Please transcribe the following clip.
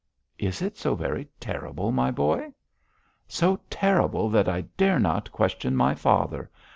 'Is it so very terrible, my boy?' 'So terrible that I dare not question my father!